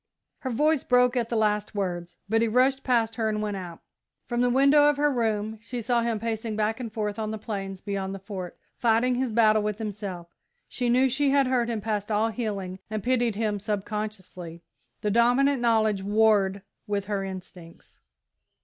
Her voice broke at the last words, but he rushed past her and went out. From the window of her room she saw him pacing back and forth on the plains beyond the Fort, fighting his battle with himself. She knew she had hurt him past all healing and pitied him subconsciously; the dominant knowledge warred with her instincts.